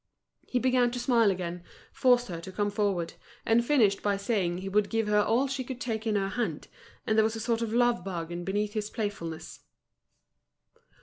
He began to smile again, forced her to come forward, and finished by saying he would give her all she could take in her hand; and there was a sort of love bargain beneath his playfulness.